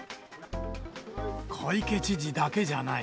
小池知事だけじゃない。